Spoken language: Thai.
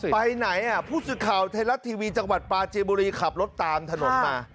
ไปไหนผู้สื่อข่าวไทยรัฐทีวีจังหวัดปลาจีบุรีขับรถตามถนนมา